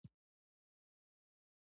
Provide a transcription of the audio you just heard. ملالۍ د بیرغ په نیولو هڅه کړې.